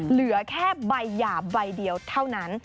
เหลือแค่ใบหย่าใบเดียวเท่านั้น